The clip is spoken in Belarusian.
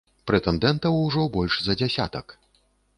Прэтэндэнтаў ужо больш за дзясятак.